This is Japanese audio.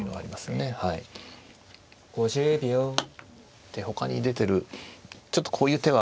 でほかに出てるちょっとこういう手は。